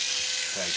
はい。